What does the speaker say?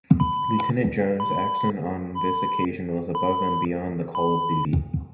Lieutenant Jones' action on this occasion was above and beyond the call of duty.